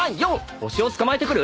「星をつかまえてくる」？